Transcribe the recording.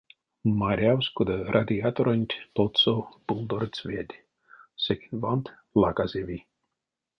Марявсь, кода радиаторонть потсо булдордсь ведь, секень вант, лаказеви.